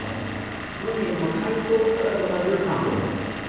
海の海そうから生まれる酸素もある。